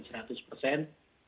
kemudian seratus persen